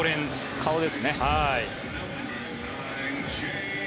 顔ですね。